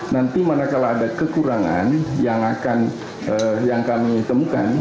nanti manakala ada kekurangan yang kami temukan